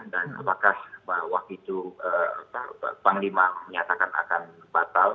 dan apakah waktu itu panglima menyatakan akan batal